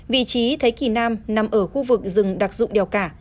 vị trí thế kỳ nam nằm ở khu vực rừng đặc dụng đèo cả